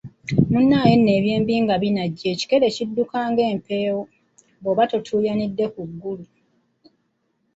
Munnage nno era eby'embi nga binajja ekikere kidduka nga mpewo, bwoba totuuyanidde ku ggolu!